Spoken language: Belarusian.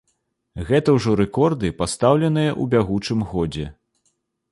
Гэта ўжо рэкорды, пастаўленыя ў бягучым годзе.